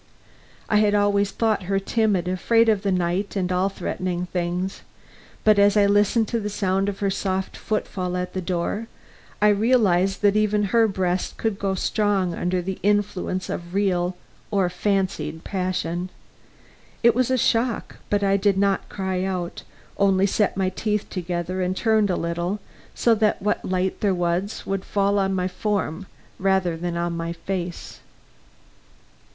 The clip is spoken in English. I had always thought her timid, afraid of the night and all threatening things. But as I listened to the sound of her soft footfall at the door, I realized that even her breast could grow strong under the influence of a real or fancied passion. It was a shock but I did not cry out only set my teeth together and turned a little so that what light there was would fall on my form rather than on my face.